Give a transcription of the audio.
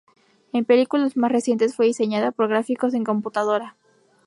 En películas más recientes fue diseñada por gráficos en computadora.